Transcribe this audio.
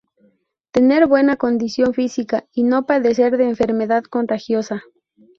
Tener buena condición física y no padecer de enfermedad contagiosa.